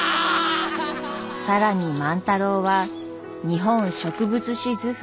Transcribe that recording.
更に万太郎は「日本植物志図譜」